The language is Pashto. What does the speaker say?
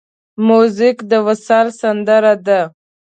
موزیک د وصال سندره ده.